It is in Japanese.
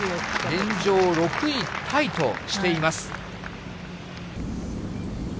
現状、６位タイとしています。